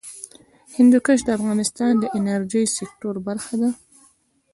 هندوکش د افغانستان د انرژۍ سکتور برخه ده.